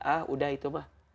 ah udah itu mah